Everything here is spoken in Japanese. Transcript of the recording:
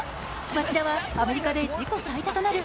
町田はアメリカで自己最多となる